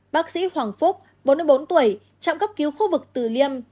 bác sĩ hoàng phúc bốn mươi bốn tuổi trạm cấp cứu khu vực từ liêm